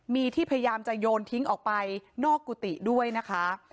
มีที่พยายามจะโยนทิ้งออกไปนอกกุฏิด้วยนะคะ